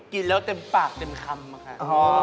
กินแล้วเต็มปากเต็มคำอะค่ะ